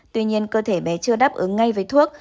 tuy nhiên cơ thể bé chưa đáp ứng ngay với thuốc